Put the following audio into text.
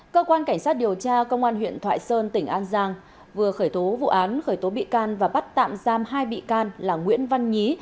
cơ quan cảnh sát điều tra công an huyện thoại sơn tỉnh an giang vừa khởi tố vụ án khởi tố bị can và bắt tạm giam hai bị can là nguyễn văn nhí